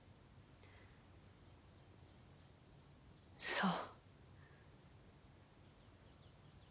そう。